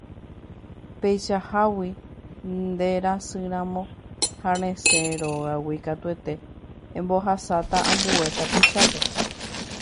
Peichahágui nderasýramo ha resẽ nde rógagui katuete embohasáta ambue tapichápe